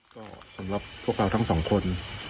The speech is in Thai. ก็สำหรับพวกเราทั้งสองคน